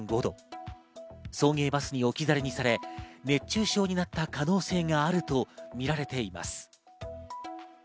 送迎バスに置き去りにされ、熱中症になった可能性があるとみられています。